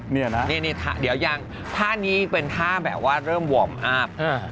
นี่ล่ะนะนี่ค่ะเดี๋ยวเอยังภาพนี้เป็นท่าแบบว่าเริ่มวอร์มอาฟ